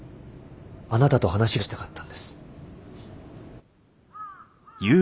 あなたと話がしたかったんです。